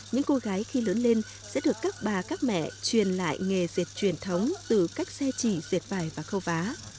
những cô gái khi lớn lên sẽ được các bà các mẹ truyền lại nghề dệt truyền thống từ cách xe chỉ dệt vải và khâu vá